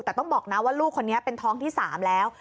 แต่ต้องบอกนะว่าลูกคนนี้เป็นท้องที่๓แล้ว